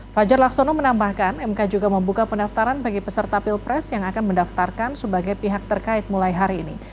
fajar laksono menambahkan mk juga membuka pendaftaran bagi peserta pilpres yang akan mendaftarkan sebagai pihak terkait mulai hari ini